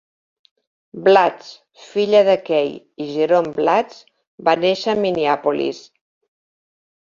Blatz, filla de Kay i Jerome Blatz, va néixer a Minneapolis.